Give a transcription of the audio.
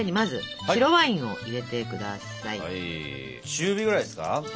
中火ぐらいですか？